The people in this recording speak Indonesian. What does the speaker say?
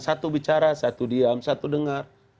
satu bicara satu diam satu dengar